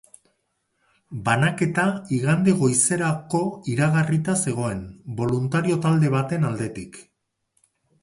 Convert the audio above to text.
Banaketa igande goizerako kiragarrita zegoen, boluntario talde baten aldetik.